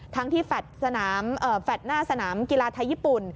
ทั้งที่สนามแฟลตหน้าสนามกีฬาไทยญี่ปุ่น